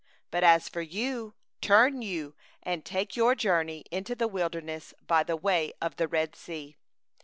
40But as for you, turn you, and take your journey into the wilderness by the way to the Red Sea.